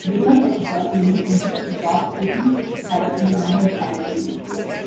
Bakers from across Maine compete for top whoopie pie in a number of categories.